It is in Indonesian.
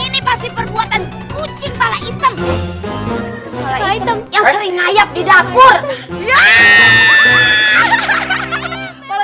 masih perbuatan kucing kepala item item yang sering ngayap di dapur ya hahaha